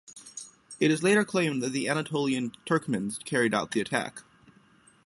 It is later claimed that the Anatolian Turkmens carried out the attack.